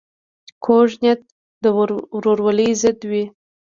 کوږه نیت د ورورولۍ ضد وي